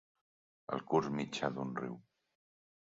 El curs mitjà d'un riu.